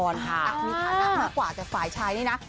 ฐานมีฐานะมากกว่าแต่ฝ่ายชายนี่นะ